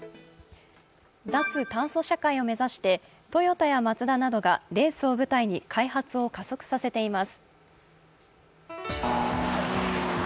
脱炭素社会を目指してトヨタやマツダなどがレースを舞台に開発を加速させています。